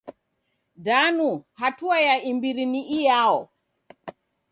Danu hatua ya imbiri ni iyao?